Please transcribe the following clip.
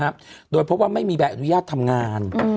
จากตอนนี้ไม่มีวีซ่าด้วยตอนนี้ไม่มีวีซ่าด้วย